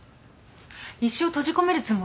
一生閉じ込めるつもり？